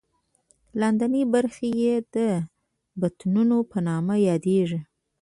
لاندینۍ برخې یې د بطنونو په نامه یادېږي.